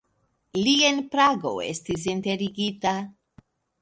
Li en Prago estis enterigita.